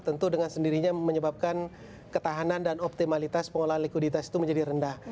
tentu dengan sendirinya menyebabkan ketahanan dan optimalitas pengolahan likuiditas itu menjadi rendah